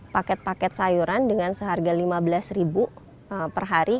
paket paket sayuran dengan seharga lima belas ribu per hari